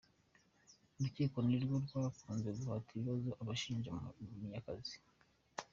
Urukiko ni rwo rwakunze guhata ibibazo abashinja Munyakazi.